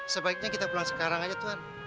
sebaiknya kita pulang sekarang aja tuhan